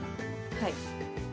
はい。